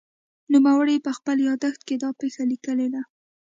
نوموړي په خپل یادښت کې دا پېښه لیکلې ده.